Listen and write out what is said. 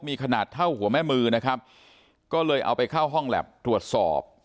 มีขนาดเท่าหัวแม่มือนะครับก็เลยเอาไปเข้าห้องแล็บตรวจสอบ